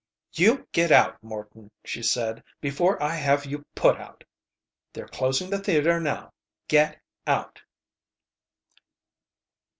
"You get out, Morton," she said, "before I have you put out. They're closing the theater now. Get out!"